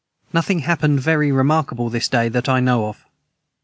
Nothing hapned very remarkable this day that I know of.